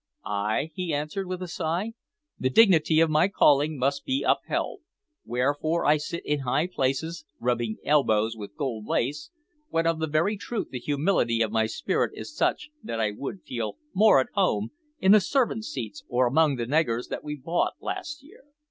"Ay," he answered, with a sigh; "the dignity of my calling must be upheld: wherefore I sit in high places, rubbing elbows with gold lace, when of the very truth the humility of my spirit is such that I would feel more at home in the servants' seats or among the negars that we bought last year."